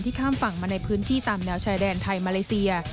ข้ามฝั่งมาในพื้นที่ตามแนวชายแดนไทยมาเลเซีย